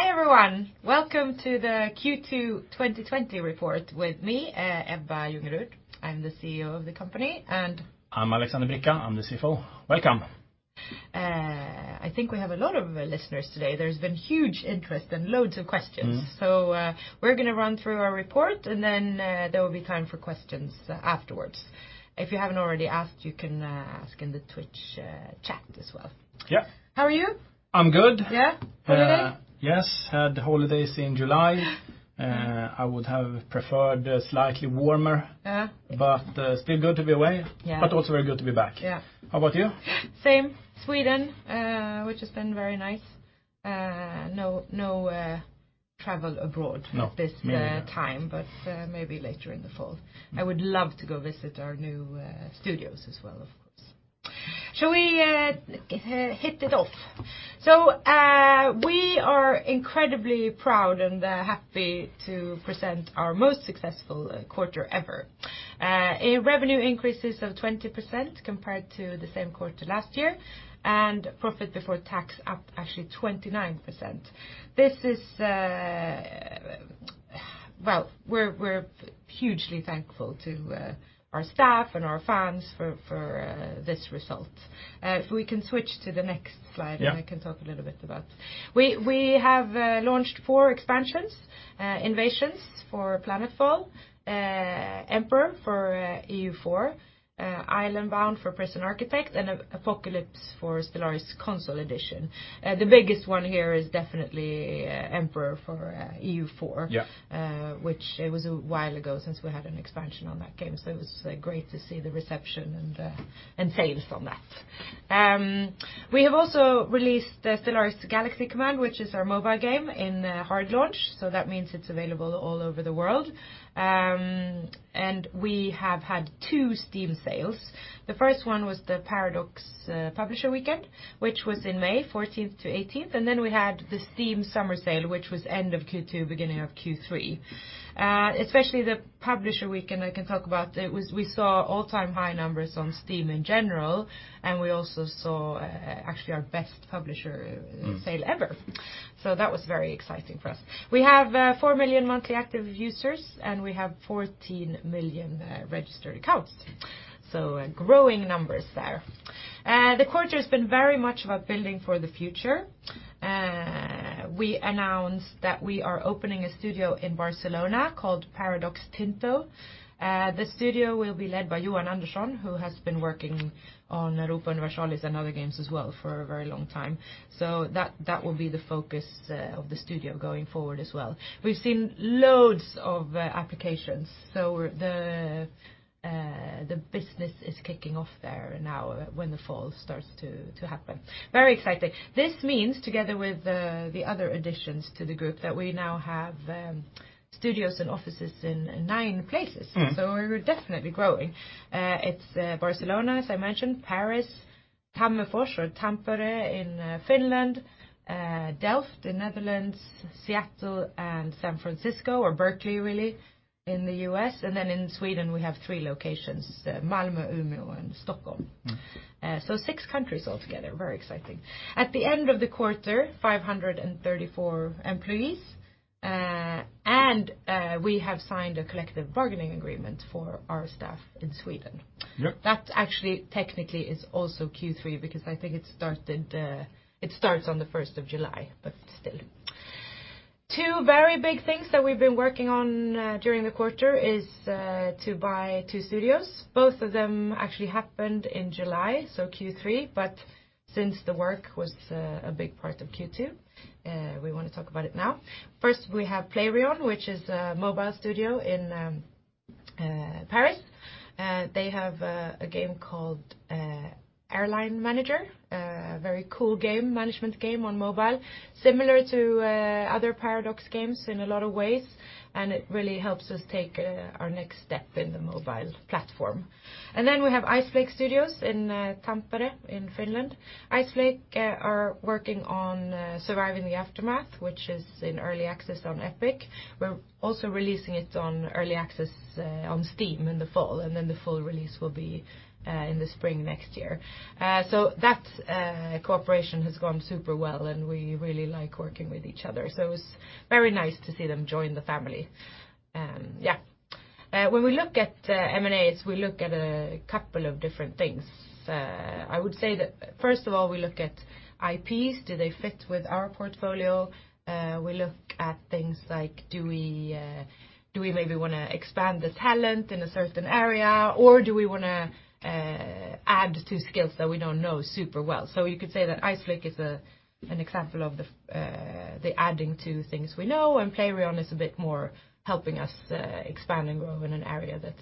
Hi, everyone. Welcome to the Q2 2020 report with me, Ebba Ljungerud. I'm the CEO of the company. I'm Alexander Bricca, I'm the CFO. Welcome. I think we have a lot of listeners today. There's been huge interest and loads of questions. We're going to run through our report, and then there will be time for questions afterwards. If you haven't already asked, you can ask in the Twitch chat as well. Yeah. How are you? I'm good. Yeah. Holidays? Yes. Had holidays in July. I would have preferred slightly warmer. Yeah. Still good to be away. Yeah. Also very good to be back. Yeah. How about you? Same. Sweden, which has been very nice. No travel abroad- No. Me neither -this time, but maybe later in the fall. I would love to go visit our new studios as well, of course. Shall we hit it off? We are incredibly proud and happy to present our most successful quarter ever. Revenue increases of 20% compared to the same quarter last year, and profit before tax up actually 29%. We're hugely thankful to our staff and our fans for this result. We can switch to the next slide. Yeah. I can talk a little bit about. We have launched four expansions, Invasions for Planetfall, Emperor for EU4, Island Bound for Prison Architect, and Apocalypse for Stellaris: Console Edition. The biggest one here is definitely Emperor for EU4. Yeah. Which it was a while ago since we had an expansion on that game. It was great to see the reception and sales from that. We have also released Stellaris: Galaxy Command, which is our mobile game in hard launch, so that means it's available all over the world. We have had two Steam sales. The first one was the Paradox Publisher Weekend, which was in May 14th-18th, and then we had the Steam Summer Sale, which was end of Q2, beginning of Q3. Especially the Publisher Week, and I can talk about, we saw all-time high numbers on Steam in general, and we also saw actually our best publisher sale ever. That was very exciting for us. We have 4 million monthly active users, and we have 14 million registered accounts. Growing numbers there. The quarter's been very much about building for the future. We announced that we are opening a studio in Barcelona called Paradox Tinto. The studio will be led by Johan Andersson, who has been working on Europa Universalis and other games as well for a very long time. That will be the focus of the studio going forward as well. We've seen loads of applications. The business is kicking off there now when the fall starts to happen. Very exciting. This means, together with the other additions to the group, that we now have studios and offices in nine places. We're definitely growing. It's Barcelona, as I mentioned, Paris, Tampere in Finland, Delft in Netherlands, Seattle, and San Francisco, or Berkeley really, in the U.S. In Sweden, we have three locations, Malmö, Umeå, and Stockholm. Six countries altogether. Very exciting. At the end of the quarter, 534 employees, and we have signed a collective bargaining agreement for our staff in Sweden. Yep. That actually, technically is also Q3 because I think it starts on the 1st of July. Still. Two very big things that we've been working on during the quarter is to buy two studios. Both of them actually happened in July, so Q3, but since the work was a big part of Q2, we want to talk about it now. First, we have Playrion, which is a mobile studio in Paris. They have a game called Airline Manager, a very cool management game on mobile, similar to other Paradox games in a lot of ways, and it really helps us take our next step in the mobile platform. Then we have Iceflake Studios in Tampere in Finland. Iceflake are working on Surviving the Aftermath, which is in early access on Epic. We're also releasing it on early access on Steam in the fall, and then the full release will be in the spring next year. That cooperation has gone super well, and we really like working with each other. It was very nice to see them join the family. When we look at M&As, we look at a couple of different things. I would say that first of all, we look at IPs. Do they fit with our portfolio? We look at things like, do we maybe want to expand the talent in a certain area, or do we want to add to skills that we don't know super well? You could say that Iceflake is an example of the adding to things we know, and Playrion is a bit more helping us expand and grow in an area that's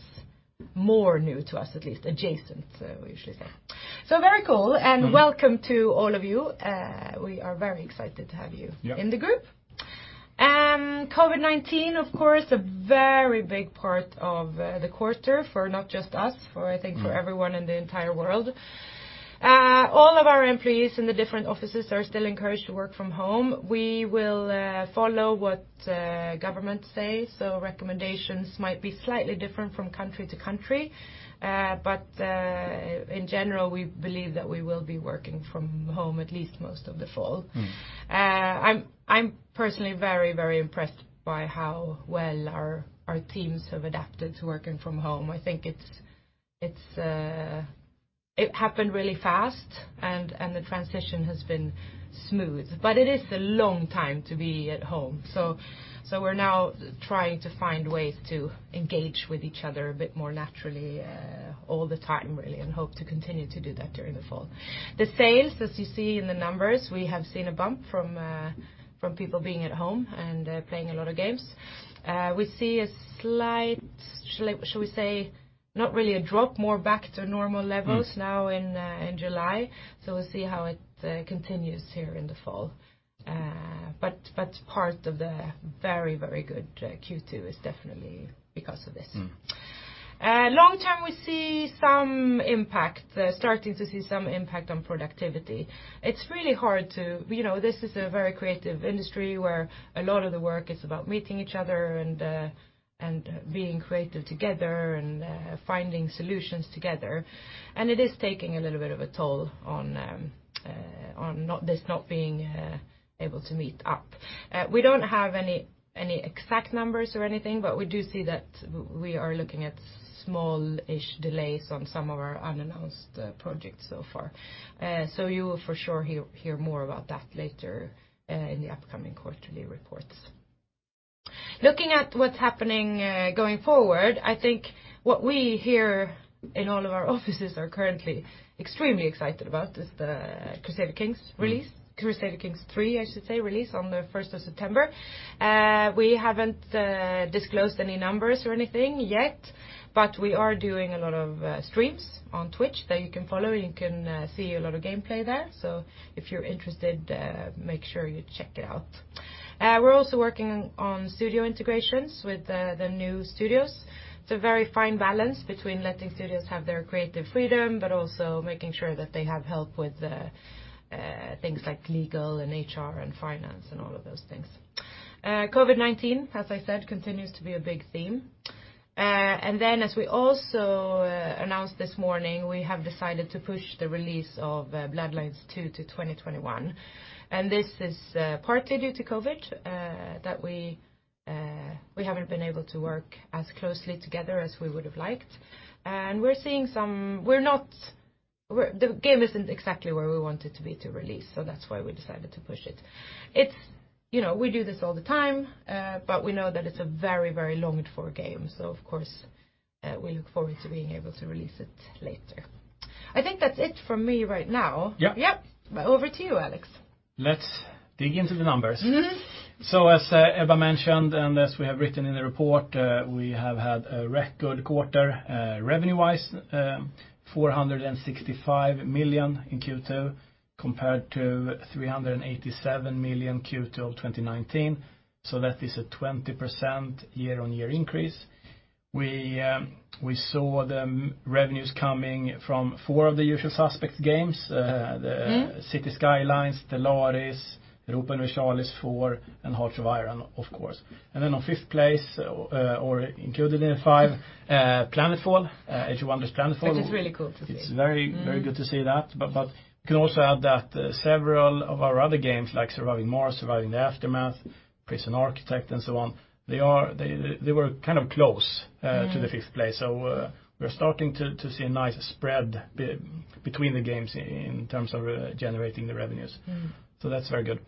more new to us at least, adjacent, we usually say. Very cool, and welcome to all of you. We are very excited to have you- Yeah. -in the group. COVID-19, of course, a very big part of the quarter for not just us, for I think for everyone in the entire world. All of our employees in the different offices are still encouraged to work from home. We will follow what governments say. Recommendations might be slightly different from country to country. In general, we believe that we will be working from home at least most of the fall. I'm personally very impressed by how well our teams have adapted to working from home. I think it happened really fast and the transition has been smooth, but it is a long time to be at home. We're now trying to find ways to engage with each other a bit more naturally, all the time really, and hope to continue to do that during the fall. The sales, as you see in the numbers, we have seen a bump from people being at home and playing a lot of games. We see a slight, shall we say, not really a drop, more back to normal levels. Now in July. We'll see how it continues here in the fall. Part of the very good Q2 is definitely because of this. Long term, we're starting to see some impact on productivity. This is a very creative industry where a lot of the work is about meeting each other and being creative together and finding solutions together, and it is taking a little bit of a toll on this not being able to meet up. We don't have any exact numbers or anything, but we do see that we are looking at small-ish delays on some of our unannounced projects so far. You will for sure hear more about that later in the upcoming quarterly reports. Looking at what's happening going forward, I think what we here in all of our offices are currently extremely excited about is the Crusader Kings release. Crusader Kings III, I should say, release on the 1st of September. We haven't disclosed any numbers or anything yet, but we are doing a lot of streams on Twitch that you can follow. You can see a lot of gameplay there. If you're interested, make sure you check it out. We're also working on studio integrations with the new studios. It's a very fine balance between letting studios have their creative freedom, but also making sure that they have help with things like legal and HR and finance and all of those things. COVID-19, as I said, continues to be a big theme. As we also announced this morning, we have decided to push the release of Bloodlines 2 to 2021, and this is partly due to COVID, that we haven't been able to work as closely together as we would have liked. The game isn't exactly where we want it to be to release. That's why we decided to push it. We do this all the time, but we know that it's a very longed-for game, so of course, we look forward to being able to release it later. I think that's it from me right now. Yep. Yep. Over to you, Alex. Let's dig into the numbers. As Ebba mentioned, and as we have written in the report, we have had a record quarter revenue-wise, 465 million in Q2 compared to 387 million Q2 of 2019, so that is a 20% year-on-year increase. We saw the revenues coming from four of the usual suspect games. Cities: Skylines, Stellaris, Europa Universalis IV, and Hearts of Iron, of course. Then on fifth place, or included in five, Planetfall, AoW's Planetfall. Which is really cool to see. It's very good to see that, but you can also add that several of our other games, like Surviving Mars, Surviving the Aftermath, Prison Architect and so on, they were kind of close to the fifth place. We're starting to see a nice spread between the games in terms of generating the revenues. That's very good.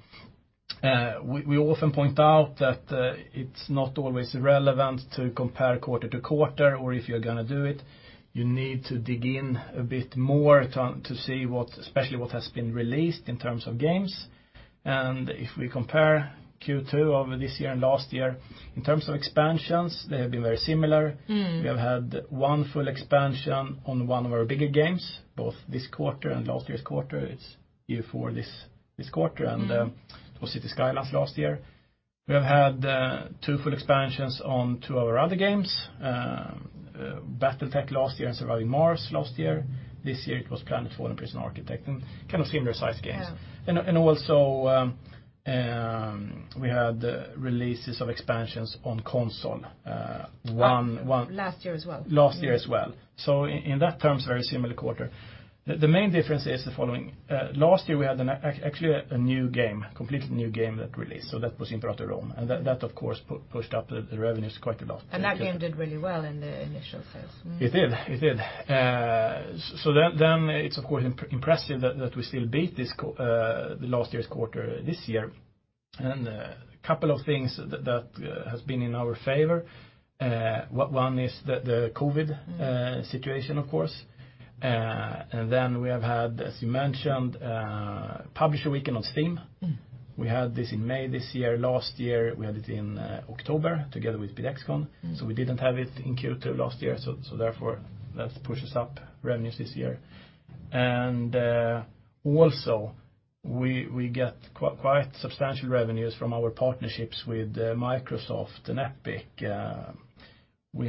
We often point out that it's not always relevant to compare quarter to quarter, or if you're going to do it, you need to dig in a bit more to see, especially what has been released in terms of games. If we compare Q2 of this year and last year, in terms of expansions, they have been very similar. We have had one full expansion on one of our bigger games, both this quarter and last year's quarter. It's EU4 this quarter. It was Cities: Skylines last year. We have had two full expansions on two of our other games, BattleTech last year and Surviving Mars last year. This year it was Planetfall and Prison Architect, and kind of similar sized games. Yeah. Also, we had the releases of expansions on console- Last year as well. -last year as well. In that terms, very similar quarter. The main difference is the following. Last year we had actually a new game, completely new game that released, so that was Imperator: Rome, and that of course pushed up the revenues quite a lot. That game did really well in the initial sales. It did. Then it's of course impressive that we still beat the last year's quarter this year. A couple of things that has been in our favor, one is the COVID situation, of course. Then we have had, as you mentioned, Paradox Publisher Weekend on Steam. We had this in May this year. Last year, we had it in October together with PDXCON. We didn't have it in Q2 last year, therefore that pushes up revenues this year. We get quite substantial revenues from our partnerships with Microsoft and Epic. We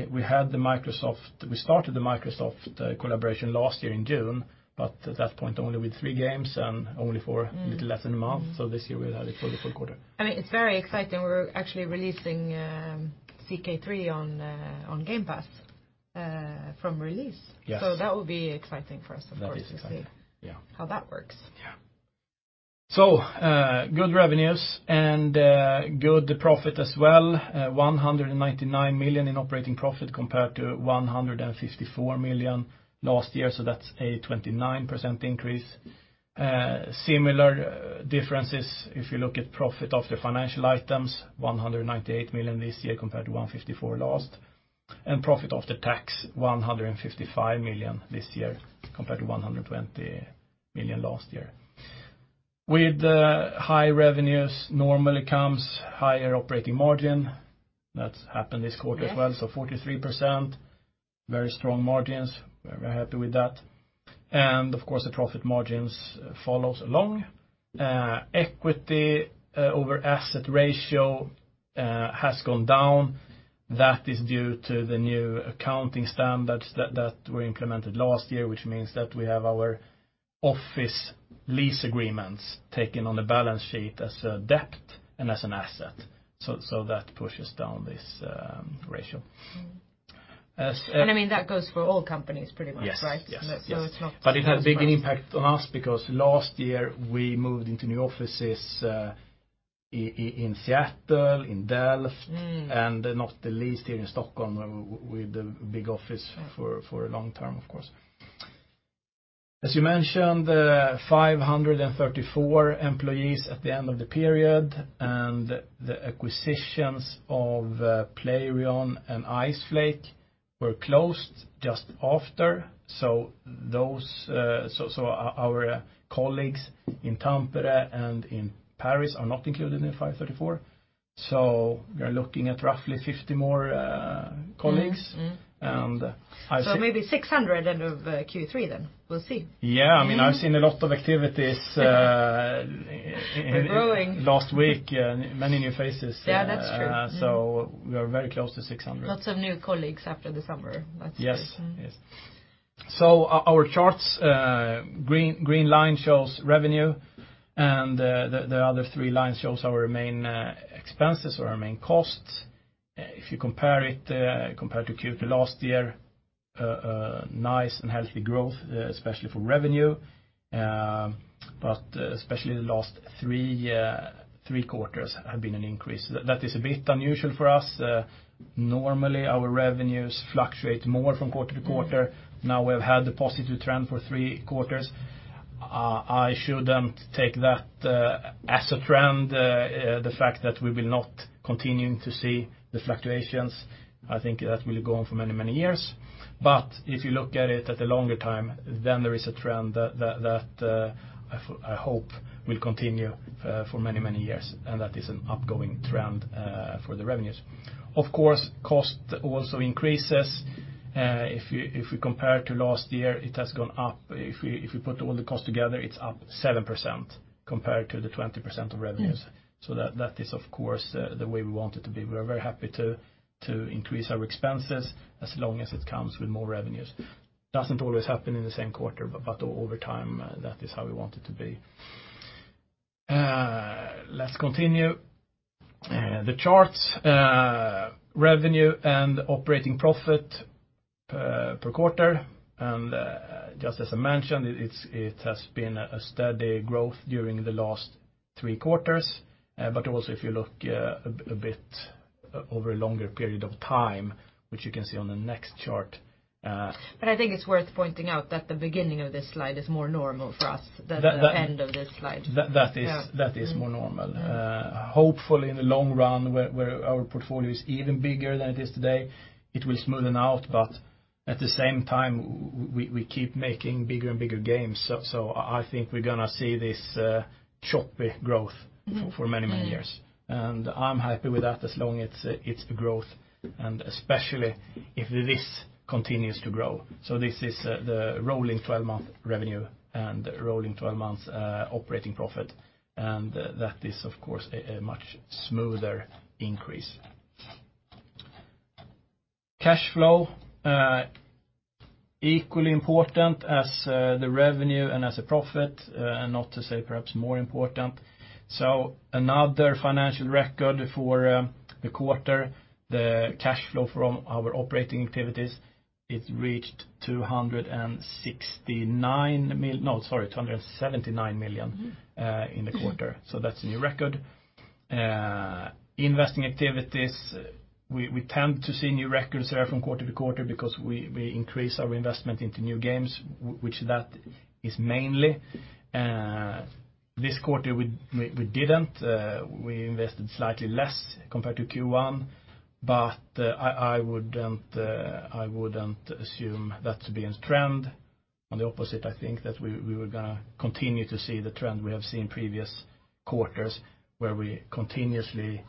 started the Microsoft collaboration last year in June, but at that point only with three games and only for a little less than a month. This year we'll have it for the full quarter. It's very exciting. We're actually releasing CK3 on Game Pass from release. Yes. That will be exciting for us, of course- That is exciting. -to see how that works. Yeah. Good revenues and good profit as well, 199 million in operating profit compared to 154 million last year, that's a 29% increase. Similar differences if you look at profit after financial items, 198 million this year compared to 154 last. Profit after tax, 155 million this year compared to 120 million last year. With high revenues normally comes higher operating margin. That's happened this quarter as well. Yes. 43%, very strong margins. Very happy with that. Of course, the profit margins follows along. Equity over asset ratio has gone down. That is due to the new accounting standards that were implemented last year, which means that we have our office lease agreements taken on the balance sheet as a debt and as an asset. That pushes down this ratio. Mm-hmm. That goes for all companies pretty much, right? Yes. So it's not- It has big impact on us because last year we moved into new offices in Seattle, in Delft, and not the least here in Stockholm with the big office for a long term, of course. As you mentioned, 534 employees at the end of the period, and the acquisitions of Playrion and Iceflake were closed just after. Our colleagues in Tampere and in Paris are not included in 534. We are looking at roughly 50 more colleagues. Mm-hmm. Maybe 600 end of Q3 then. We'll see. Yeah. I've seen a lot of activities. We're growing. Last week, many new faces. Yeah, that's true. We are very close to 600. Lots of new colleagues after the summer. That's great. Yes. Our charts, green line shows revenue, and the other three lines shows our main expenses or our main costs. If you compare it to Q2 last year, nice and healthy growth, especially for revenue. Especially the last three quarters have been an increase. That is a bit unusual for us. Normally our revenues fluctuate more from quarter to quarter. Now we've had the positive trend for three quarters. I shouldn't take that as a trend, the fact that we will not continuing to see the fluctuations. I think that will go on for many, many years. If you look at it at a longer time, then there is a trend that I hope will continue for many, many years, and that is an upcoming trend for the revenues. Of course, cost also increases. If we compare to last year, it has gone up. If we put all the costs together, it's up 7% compared to the 20% of revenues. That is, of course, the way we want it to be. We're very happy to increase our expenses as long as it comes with more revenues. Doesn't always happen in the same quarter, but over time, that is how we want it to be. Let's continue. The charts, revenue and operating profit per quarter. Just as I mentioned, it has been a steady growth during the last three quarters. Also if you look a bit over a longer period of time, which you can see on the next chart- I think it's worth pointing out that the beginning of this slide is more normal for us than the end of this slide. That is more normal. Hopefully in the long run, where our portfolio is even bigger than it is today, it will smoothen out but at the same time, we keep making bigger and bigger games. I think we're going to see this choppy growth for many, many years. I'm happy with that as long it's growth, and especially if this continues to grow. This is the rolling 12-month revenue and rolling 12 months operating profit. That is, of course, a much smoother increase. Cash flow, equally important as the revenue and as a profit, and not to say perhaps more important. Another financial record for the quarter, the cash flow from our operating activities, it reached, no, sorry, 279 million in the quarter. That's a new record. Investing activities, we tend to see new records there from quarter to quarter because we increase our investment into new games, which that is mainly. This quarter, we didn't. We invested slightly less compared to Q1, but I wouldn't assume that to be in trend. On the opposite, I think that we were going to continue to see the trend we have seen previous quarters where we continuously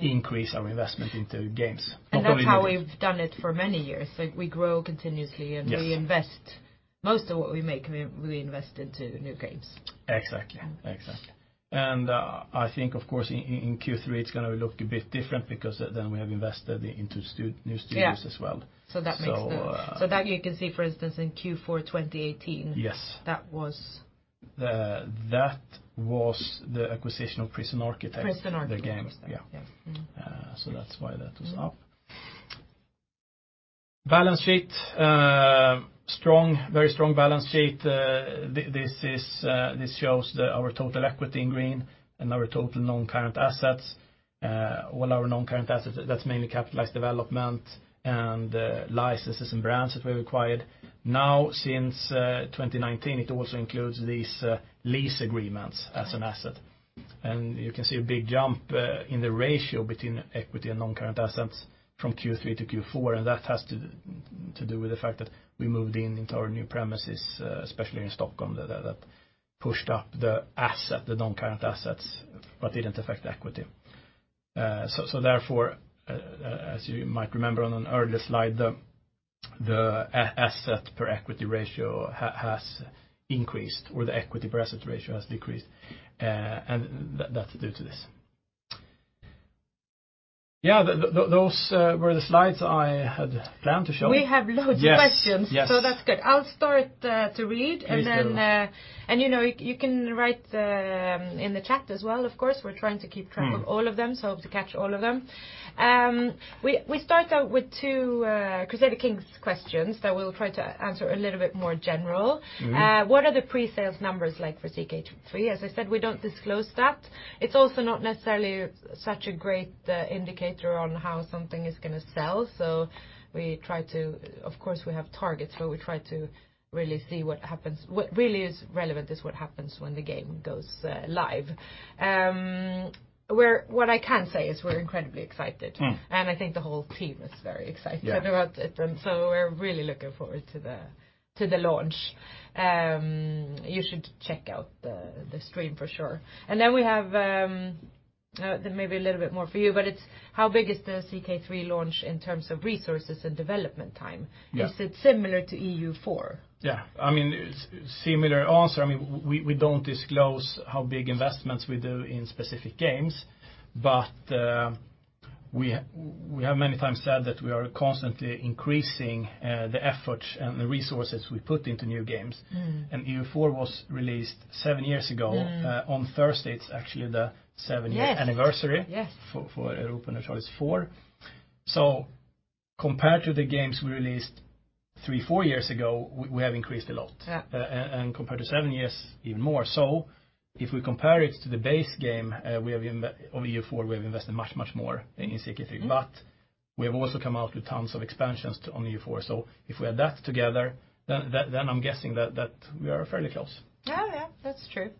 increase our investment into games. That's how we've done it for many years. We grow continuously and we invest. Most of what we make we invest into new games. Exactly. I think, of course, in Q3 it's going to look a bit different because then we have invested into new studios as well. Yeah. That you can see, for instance, in Q4 2018. Yes. That was- That was the acquisition of Prison Architect, the game. Prison Architect was that, yeah. Yeah. That's why that was up. Balance sheet. Very strong balance sheet. This shows our total equity in green and our total non-current assets. All our non-current assets, that's mainly capitalized development and licenses and brands that we acquired. Now since 2019, it also includes these lease agreements as an asset. You can see a big jump in the ratio between equity and non-current assets from Q3 to Q4, and that has to do with the fact that we moved into our new premises, especially in Stockholm. That pushed up the non-current assets but didn't affect equity. Therefore, as you might remember on an earlier slide, the asset per equity ratio has increased, or the equity per asset ratio has decreased. That's due to this. Yeah. Those were the slides I had planned to show. We have loads of questions. Yes. That's good. Please do. You can write in the chat as well, of course. We're trying to keep track of all of them. Hope to catch all of them. We start out with two Crusader Kings questions that we'll try to answer a little bit more general. What are the pre-sales numbers like for CK3? As I said, we don't disclose that. It's also not necessarily such a great indicator on how something is going to sell. Of course, we have targets, but we try to really see what happens. What really is relevant is what happens when the game goes live. What I can say is we're incredibly excited. I think the whole team is very excited about it. Yeah. We're really looking forward to the launch. You should check out the stream for sure. We have, maybe a little bit more for you, but it's, How big is the CK3 launch in terms of resources and development time? Yeah. Is it similar to EU4? Yeah. Similar answer. We don't disclose how big investments we do in specific games, but we have many times said that we are constantly increasing the effort and the resources we put into new games. EU4 was released seven years ago. On Thursday, it's actually the seven-year anniversary. Yes For Europa Universalis IV, compared to the games we released three, four years ago, we have increased a lot. Yeah. Compared to seven years, even more. If we compare it to the base game of EU4, we have invested much more in CK3. We have also come out with tons of expansions on EU4, so if we add that together, then I am guessing that we are fairly close. Yeah. That's true.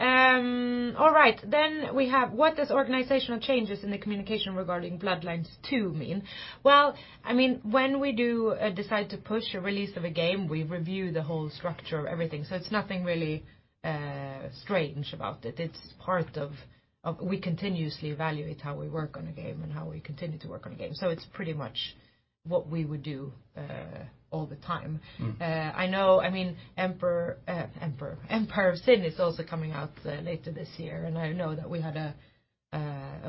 All right. We have, "What does organizational changes in the communication regarding Bloodlines 2 mean?" Well, when we do decide to push a release of a game, we review the whole structure of everything. It's nothing really strange about it. It's part of we continuously evaluate how we work on a game and how we continue to work on a game. It's pretty much what we would do all the time. I know, Empire of Sin is also coming out later this year, and I know that we had a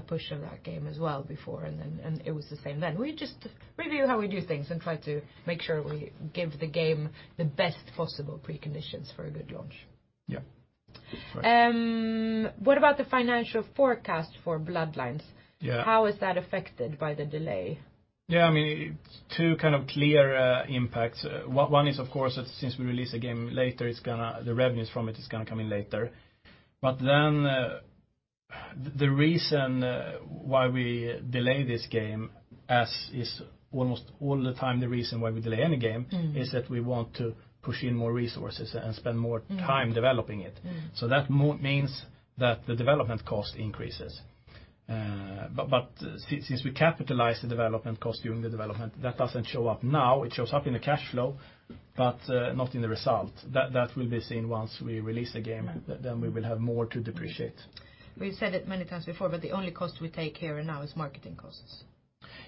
push of that game as well before and then, and it was the same then. We just review how we do things and try to make sure we give the game the best possible preconditions for a good launch. Yeah. Right. What about the financial forecast for Bloodlines? Yeah. How is that affected by the delay? Yeah. Two kind of clear impacts. One is, of course, that since we release a game later, the revenues from it is going to come in later. The reason why we delay this game as is almost all the time, the reason why we delay any game. Is that we want to push in more resources and spend more time developing it. That means that the development cost increases. Since we capitalize the development cost during the development, that doesn't show up now. It shows up in the cash flow, but not in the result. That will be seen once we release the game, then we will have more to depreciate. We've said it many times before, but the only cost we take here now is marketing costs.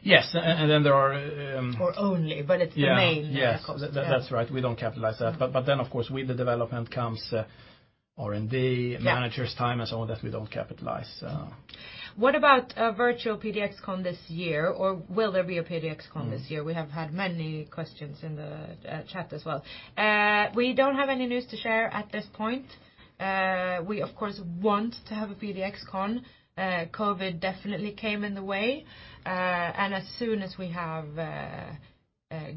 Yes. Only, but it's the main cost. Yeah. That's right. We don't capitalize that. Of course, with the development comes R&D. Yeah. Manager's time and so on that we don't capitalize. What about virtual PDXCON this year? Or will there be a PDXCON this year?" We have had many questions in the chat as well. We don't have any news to share at this point. We, of course, want to have a PDXCON. COVID definitely came in the way. As soon as we have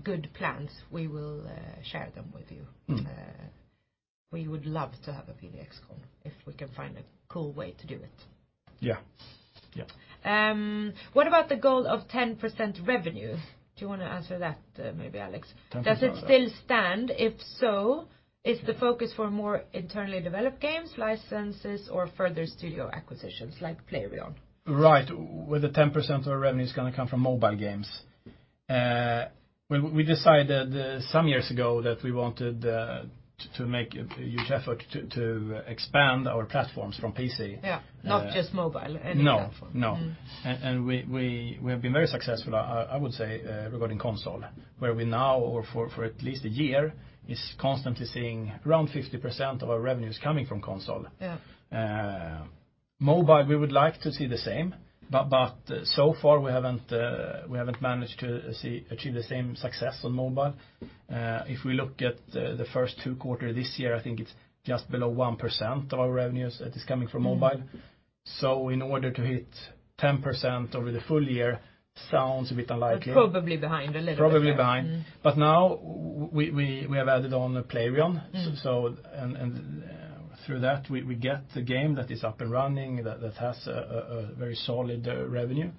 good plans, we will share them with you. We would love to have a PDXCON, if we can find a cool way to do it. Yeah. What about the goal of 10% revenue?" Do you want to answer that, maybe, Alex? 10% revenue. Does it still stand? If so, is the focus for more internally developed games, licenses or further studio acquisitions like Playrion? Right. Where the 10% of our revenue is going to come from mobile games. We decided some years ago that we wanted to make a huge effort to expand our platforms from PC. Yeah, not just mobile, any platform. No. We have been very successful, I would say, regarding console, where we now, or for at least a year, is constantly seeing around 50% of our revenues coming from console. Yeah. Mobile, we would like to see the same, but so far we haven't managed to achieve the same success on mobile. If we look at the first two quarters this year, I think it's just below 1% of our revenues that is coming from mobile. In order to hit 10% over the full year sounds a bit unlikely. Probably behind a little bit. Probably behind. Now we have added on the Playrion. Through that, we get the game that is up and running, that has a very solid revenue.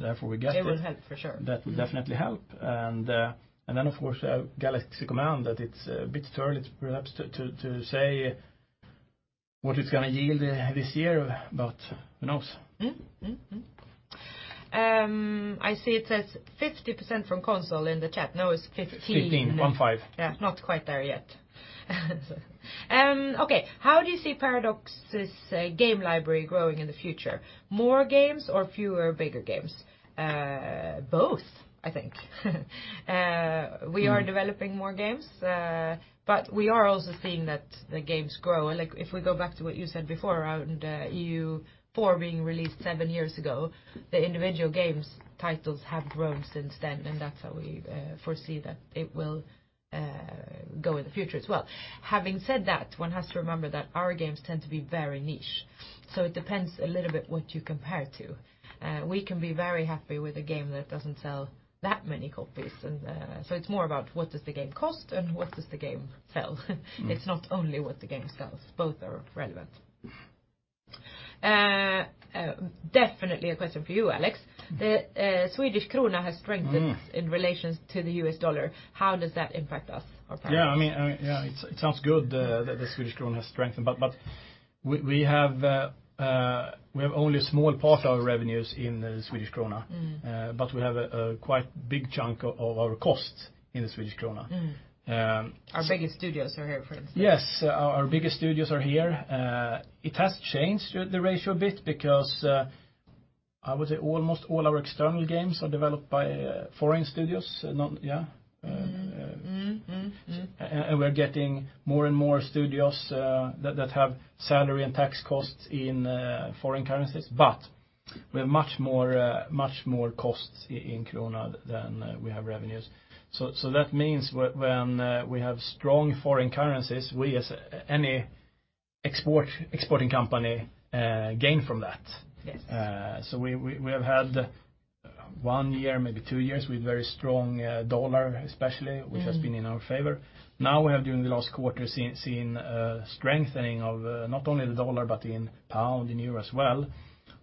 Therefore, we get that. It will help for sure. That will definitely help. Of course, Galaxy Command, that it's a bit early perhaps to say what it's going to yield this year, but who knows? I see it says 50% from console in the chat. No, it's 15. 15. Yeah, not quite there yet. Okay, how do you see Paradox's game library growing in the future? More games or fewer, bigger games? Both, I think. We are developing more games, but we are also seeing that the games grow. If we go back to what you said before around EU4 being released seven years ago, the individual games titles have grown since then, and that's how we foresee that it will go in the future as well. Having said that, one has to remember that our games tend to be very niche, so it depends a little bit what you compare to. We can be very happy with a game that doesn't sell that many copies. It's more about what does the game cost and what does the game sell. It's not only what the game sells. Both are relevant. Definitely a question for you, Alex. The Swedish krona has strengthened in relation to the U.S. dollar. How does that impact us or Paradox? Yeah, it sounds good that the Swedish krona has strengthened, but we have only a small part of our revenues in the Swedish krona. We have a quite big chunk of our costs in the Swedish krona. Our biggest studios are here, for instance. Yes, our biggest studios are here. It has changed the ratio a bit because, I would say almost all our external games are developed by foreign studios, yeah. We're getting more and more studios that have salary and tax costs in foreign currencies, but we have much more costs in SEK than we have revenues. That means when we have strong foreign currencies, we as any exporting company, gain from that. Yes. We have had one year, maybe two years, with very strong dollar especially. Which has been in our favor. Now we have during the last quarter seen a strengthening of not only the U.S. dollar, but in the pound and the euro as well,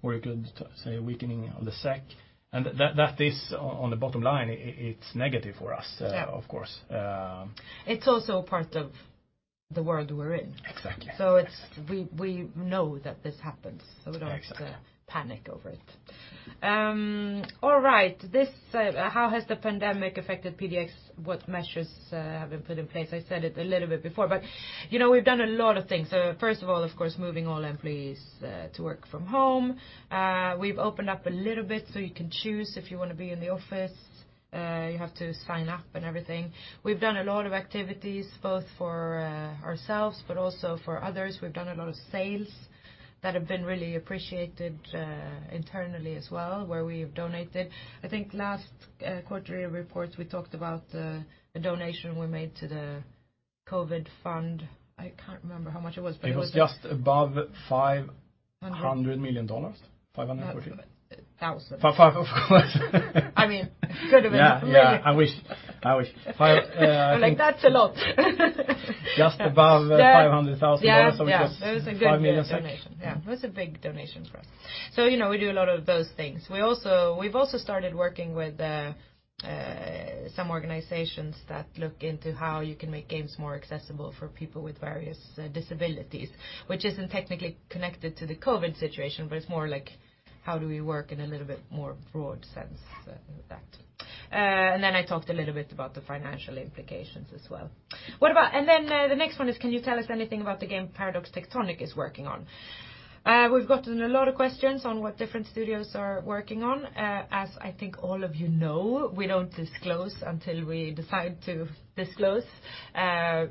or you could say a weakening of the SEK, and that is on the bottom line, it's negative for us- Yeah. -of course. It's also part of the world we're in. Exactly. We know that this happens so don't- Exactly. - panic over it. All right. How has the pandemic affected PDX? What measures have been put in place? I said it a little bit before, but we've done a lot of things. First of all, of course, moving all employees to work from home. We've opened up a little bit, so you can choose if you want to be in the office. You have to sign up and everything. We've done a lot of activities both for ourselves but also for others. We've done a lot of sales that have been really appreciated internally as well, where we've donated. I think last quarterly reports we talked about a donation we made to the COVID fund. I can't remember how much it was. It was just above SEK 500 million. 500 what do you think? Thousand. Five of course. I mean, could've been. Maybe. Yeah. I wish. I'm like, that's a lot. Just above $500,000. Yeah. 5 million. It was a good donation. Yeah. It was a big donation for us. We do a lot of those things. We've also started working with some organizations that look into how you can make games more accessible for people with various disabilities, which isn't technically connected to the COVID situation, but it's more like how do we work in a little bit more broad sense with that. I talked a little bit about the financial implications as well. The next one is can you tell us anything about the game Paradox Tectonic is working on? We've gotten a lot of questions on what different studios are working on. As I think all of you know, we don't disclose until we decide to disclose,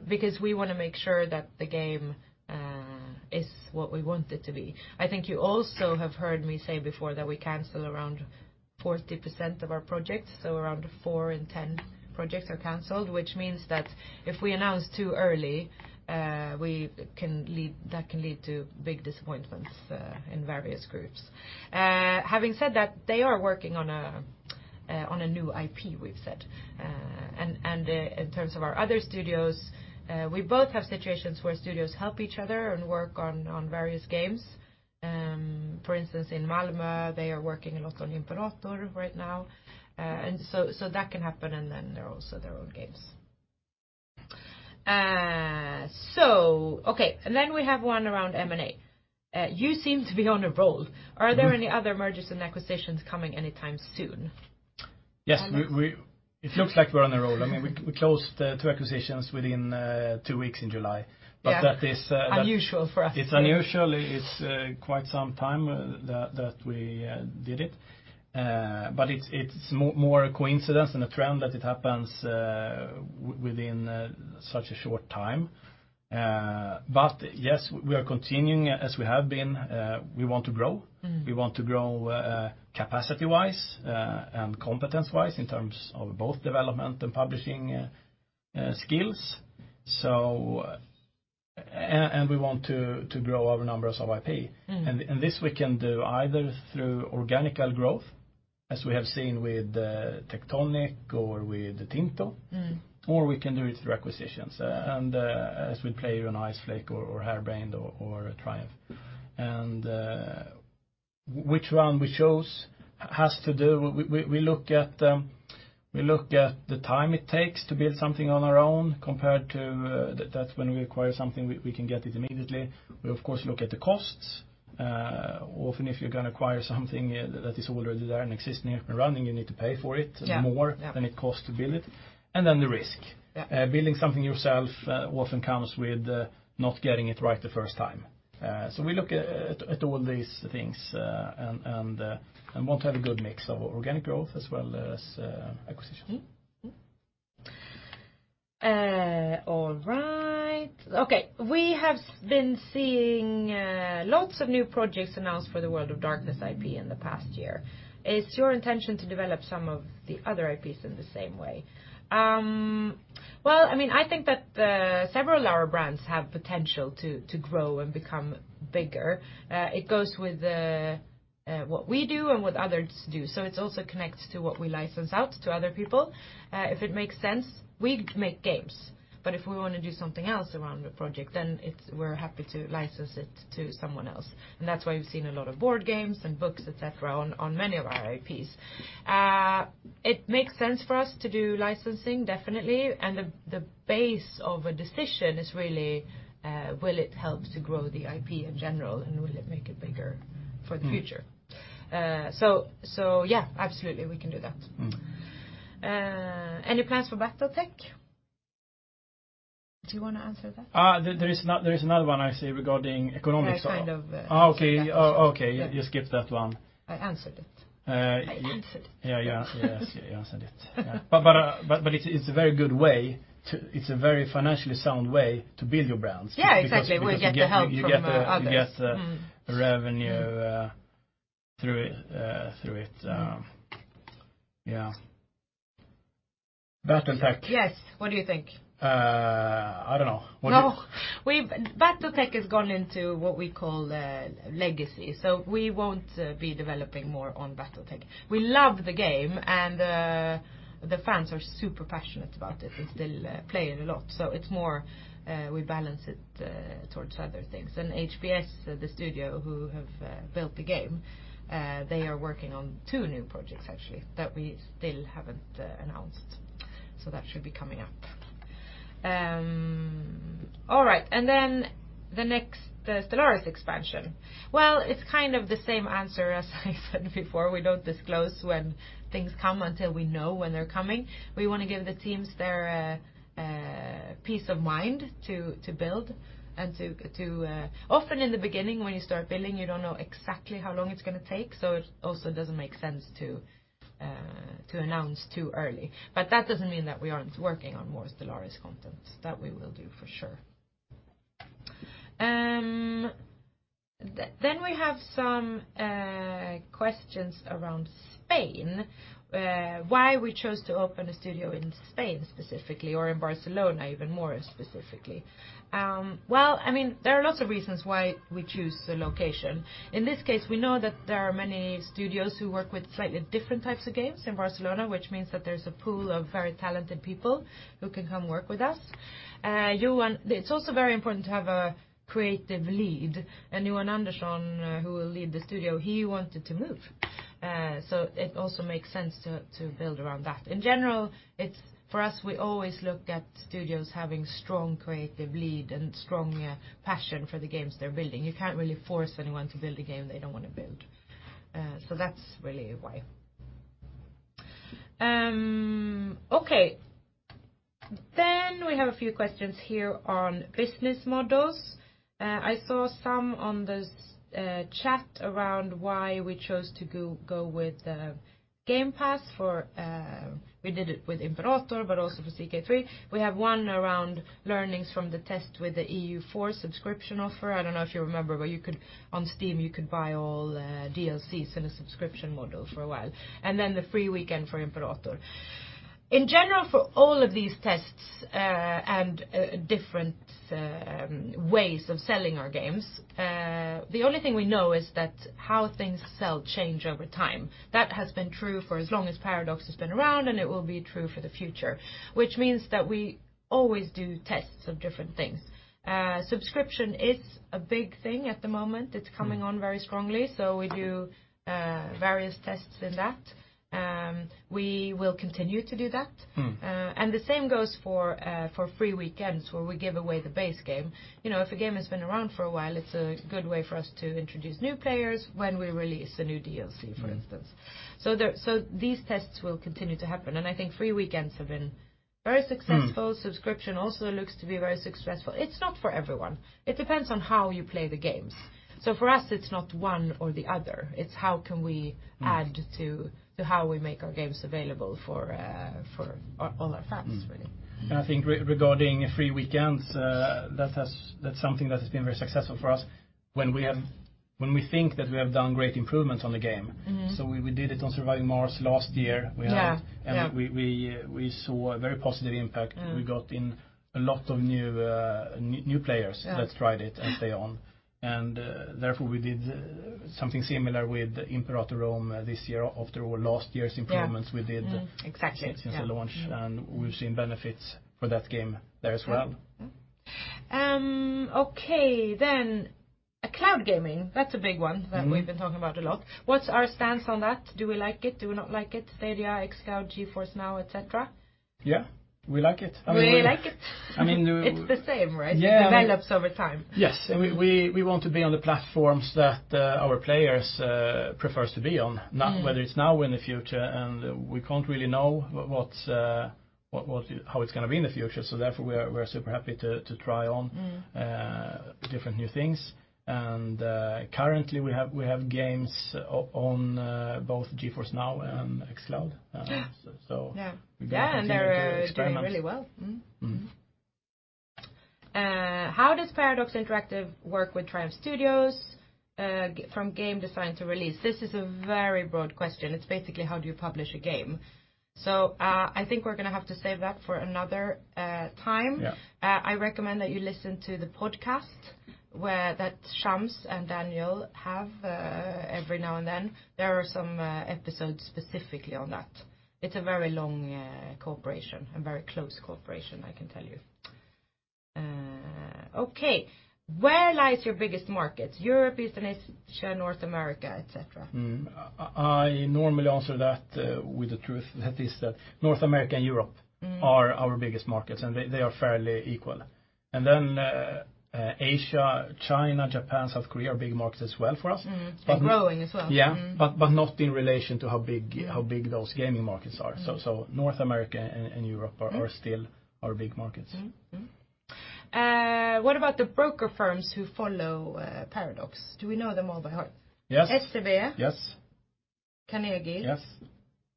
because we want to make sure that the game is what we want it to be. I think you also have heard me say before that we cancel around 40% of our projects, so around four in 10 projects are canceled, which means that if we announce too early, that can lead to big disappointments in various groups. Having said that, they are working on a new IP we've set. In terms of our other studios, we both have situations where studios help each other and work on various games. For instance, in Malmö, they are working a lot on Imperator right now. That can happen, and then there are also their own games. Okay. We have one around M&A. You seem to be on a roll. Are there any other mergers and acquisitions coming anytime soon? Yes. It looks like we're on a roll. We closed two acquisitions within two weeks in July. Yeah. Unusual for us. It's unusual. It's quite some time that we did it. It's more a coincidence than a trend that it happens within such a short time. Yes, we are continuing as we have been. We want to grow. We want to grow capacity-wise, and competence-wise in terms of both development and publishing skills. We want to grow our numbers of IP. This we can do either through organic growth, as we have seen with Tectonic or with Tinto. We can do it through acquisitions. As we P Iceflake or Harebrained or Triumph. Which one we choose has to do. We look at the time it takes to build something on our own compared to that's when we acquire something, we can get it immediately. We, of course, look at the costs. Often, if you're going to acquire something that is already there and existing up and running, you need to pay for it- Yeah. -more than it costs to build it. The risk. Yeah. Building something yourself often comes with not getting it right the first time. We look at all these things and want to have a good mix of organic growth as well as acquisitions. All right. Okay. We have been seeing lots of new projects announced for the World of Darkness IP in the past year. Is it your intention to develop some of the other IPs in the same way? I think that several of our brands have potential to grow and become bigger. It goes with what we do and what others do. It also connects to what we license out to other people. If it makes sense, we make games, but if we want to do something else around the project, then we're happy to license it to someone else. That's why you've seen a lot of board games and books, et cetera, on many of our IPs. It makes sense for us to do licensing, definitely, and the base of a decision is really, will it help to grow the IP in general, and will it make it bigger for the future? Yeah, absolutely, we can do that. Any plans for BattleTech? Do you want to answer that? There is another one I see regarding economics. I kind of answered that question. Okay. You skipped that one. I answered it. Yeah. I answered it. Yes, you answered it. It's a very financially sound way to build your brands. Yeah, exactly. We get the help from others. Because you get the revenue through it. Yeah. BattleTech. Yes, what do you think? I don't know. No. BattleTech has gone into what we call legacy, we won't be developing more on BattleTech. We love the game, the fans are super passionate about it and still play it a lot. It's more we balance it towards other things. HBS, the studio who have built the game, they are working on two new projects actually that we still haven't announced. That should be coming up. All right, the next Stellaris expansion. It's kind of the same answer as I said before. We don't disclose when things come until we know when they're coming. We want to give the teams their peace of mind to build. Often in the beginning when you start building, you don't know exactly how long it's going to take, it also doesn't make sense to announce too early. That doesn't mean that we aren't working on more Stellaris content. That we will do for sure. We have some questions around Spain. Why we chose to open a studio in Spain specifically, or in Barcelona even more specifically. There are lots of reasons why we choose the location. In this case, we know that there are many studios who work with slightly different types of games in Barcelona, which means that there's a pool of very talented people who can come work with us. It's also very important to have a creative lead, and Johan Andersson, who will lead the studio, he wanted to move. It also makes sense to build around that. In general, for us, we always look at studios having strong creative lead and strong passion for the games they're building. You can't really force anyone to build a game they don't want to build. That's really why. Okay. We have a few questions here on business models. I saw some on the chat around why we chose to go with Game Pass. We did it with Imperator, but also for CK3. We have one around learnings from the test with the EU4 subscription offer. I don't know if you remember, but on Steam you could buy all DLCs in a subscription model for a while, and then the free weekend for Imperator. In general, for all of these tests and different ways of selling our games, the only thing we know is that how things sell change over time. That has been true for as long as Paradox has been around, and it will be true for the future, which means that we always do tests of different things. Subscription is a big thing at the moment. It's coming on very strongly, so we do various tests in that. We will continue to do that. The same goes for free weekends where we give away the base game. If a game has been around for a while, it's a good way for us to introduce new players when we release a new DLC, for instance. These tests will continue to happen, and I think free weekends have been very successful. Subscription also looks to be very successful. It's not for everyone. It depends on how you play the games. For us, it's not one or the other, it's how can we add to how we make our games available for all our fans, really. I think regarding free weekends, that is something that has been very successful for us when we think that we have done great improvements on the game. We did it on Surviving Mars last year. Yeah. We saw a very positive impact. We got in a lot of new players that tried it and stay on. Therefore we did something similar with Imperator: Rome this year after all last year's improvements- Exactly, yeah. -since the launch, and we've seen benefits for that game there as well. Yeah. Okay, cloud gaming, that's a big one that we've been talking about a lot. What's our stance on that? Do we like it, do we not like it? Stadia, xCloud, GeForce NOW, et cetera. Yeah, we like it. We like it. I mean. It's the same, right? Yeah. It develops over time. Yes. We want to be on the platforms that our players prefer to be on, whether it's now or in the future. We can't really know how it's going to be in the future. Therefore we're super happy to try on different new things. Currently we have games on both GeForce NOW and xCloud. Yeah. We continue to experiment. Yeah, they're doing really well. How does Paradox Interactive work with Triumph Studios from game design to release?" This is a very broad question. It's basically how do you publish a game? I think we're going to have to save that for another time. Yeah. I recommend that you listen to the podcast that Shams and Daniel have every now and then. There are some episodes specifically on that. It's a very long cooperation, a very close cooperation, I can tell you. Okay. "Where lies your biggest markets? Europe, Eastern Asia, North America, et cetera? I normally answer that with the truth, that is that North America and Europe are our biggest markets, and they are fairly equal. Then Asia, China, Japan, South Korea are big markets as well for us. Growing as well. Yeah. Not in relation to how big those gaming markets are. North America and Europe are still our big markets. Mm-hmm. "What about the broker firms who follow Paradox?" Do we know them all by heart? Yes. SEB? Yes. Carnegie? Yes.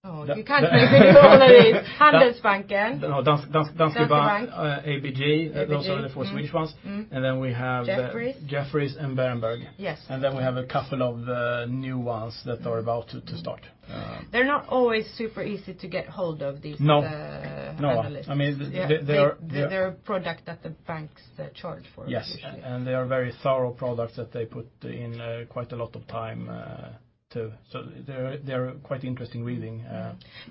Oh, you can't remember all of it. Handelsbanken. No. Danske Bank. Danske Bank. ABG. ABG. Those are the four Swedish ones. We have- Jefferies Jefferies and Berenberg. Yes. We have a couple of new ones that are about to start. They're not always super easy to get hold of these- No -analysts. No. They're a product that the banks charge for usually. Yes. They are very thorough products that they put in quite a lot of time too. They're quite interesting reading.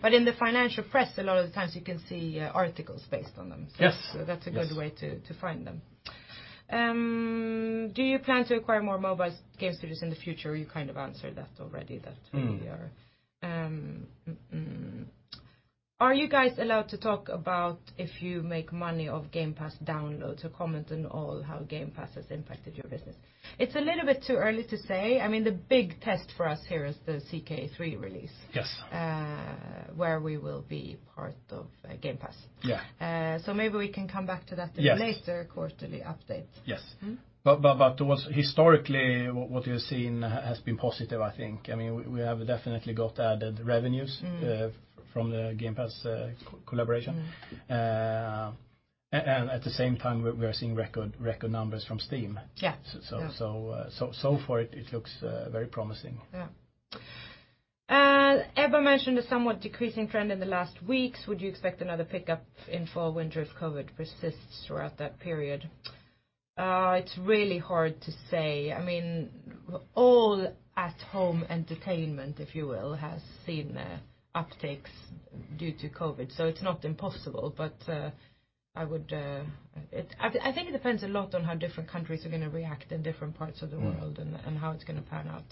In the financial press, a lot of the times you can see articles based on them. Yes. That's a good way to find them. "Do you plan to acquire more mobile game studios in the future?" You kind of answered that already, that we are. "Are you guys allowed to talk about if you make money off Game Pass downloads or comment on all how Game Pass has impacted your business?" It's a little bit too early to say. The big test for us here is the CK3 release. Yes. Where we will be part of Game Pass. Yeah. Maybe we can come back to that in a later quarterly update. Yes. Historically, what you're seeing has been positive, I think. We have definitely got added revenues from the Game Pass collaboration. At the same time, we are seeing record numbers from Steam. Yeah. So far it looks very promising. Yeah. "Ebba mentioned a somewhat decreasing trend in the last weeks. Would you expect another pickup in fall/winter if COVID persists throughout that period?" It's really hard to say. All at-home entertainment, if you will, has seen upticks due to COVID, so it's not impossible. I think it depends a lot on how different countries are going to react in different parts of the world, and how it's going to pan out.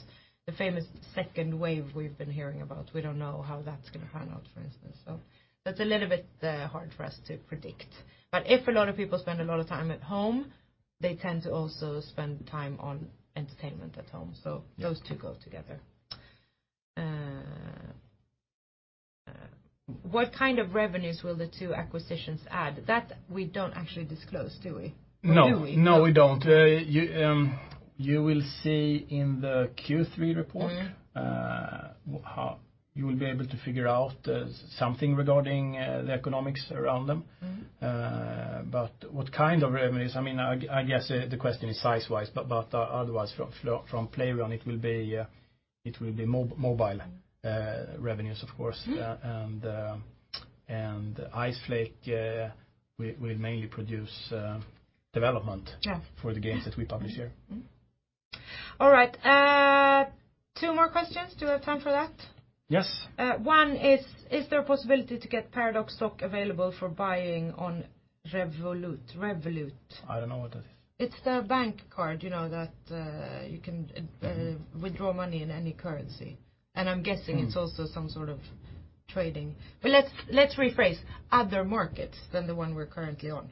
The famous second wave we've been hearing about, we don't know how that's going to pan out, for instance. That's a little bit hard for us to predict. If a lot of people spend a lot of time at home, they tend to also spend time on entertainment at home. Those two go together. "What kind of revenues will the two acquisitions add?" That we don't actually disclose, do we? Or do we? No. No, we don't. You will see in the Q3 report, you will be able to figure out something regarding the economics around them. What kind of revenues? I guess the question is size-wise, but otherwise, from Playrion, it will be mobile revenues, of course. Iceflake will mainly produce development- Yeah. -for the games that we publish here. All right. Two more questions. Do we have time for that? Yes. One is, "Is there a possibility to get Paradox stock available for buying on Revolut?" Revolut. I don't know what that is. It's the bank card, you know that you can withdraw money in any currency. I'm guessing it's also some sort of trading. Let's rephrase. Other markets than the one we're currently on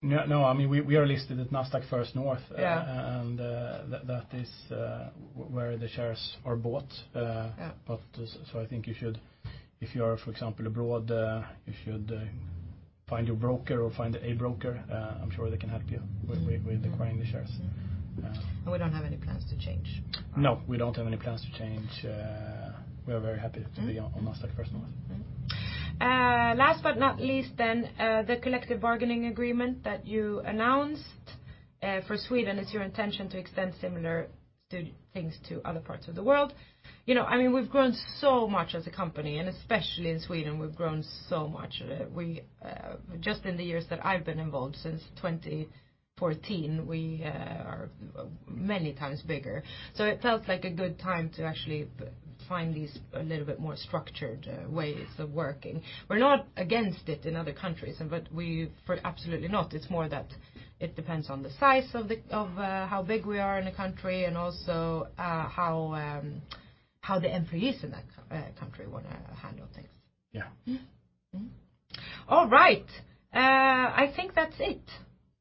No, we are listed at Nasdaq First North. Yeah. That is where the shares are bought. Yeah. I think if you are, for example, abroad, you should find your broker or find a broker. I'm sure they can help you with acquiring the shares. We don't have any plans to change. No, we don't have any plans to change. We are very happy to be on Nasdaq First North. Last but not least, the collective bargaining agreement that you announced for Sweden, it's your intention to extend similar things to other parts of the world. We've grown so much as a company, and especially in Sweden, we've grown so much. Just in the years that I've been involved, since 2014, we are many times bigger. It felt like a good time to actually find these a little bit more structured ways of working. We're not against it in other countries. Absolutely not. It's more that it depends on the size of how big we are in a country and also how the employees in that country want to handle things. Yeah. All right. I think that's it.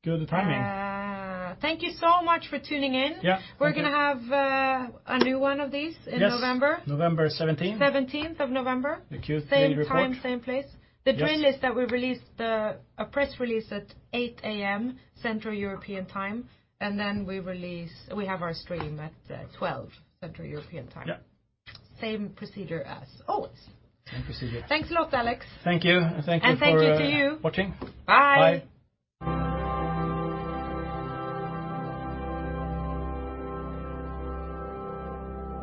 Good timing. Thank you so much for tuning in. Yeah. Thank you. We're going to have a new one of these in November. Yes, November 17th. 17th of November. The Q3 report. Same time, same place. Yes. The drill is that we release a press release at 8:00 a.m. Central European Time, and then we have our stream at 12:00 Central European Time. Yeah. Same procedure as always. Same procedure. Thanks a lot, Alex. Thank you. Thank you to you. Thank you for watching. Bye. Bye.